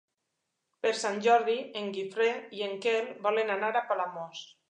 Per Sant Jordi en Guifré i en Quel volen anar a Palamós.